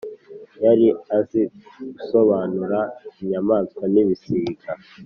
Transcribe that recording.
yari azi gusobanura inyamaswa n ‘ibisiga.